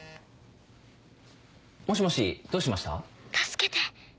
もしもしどうしました？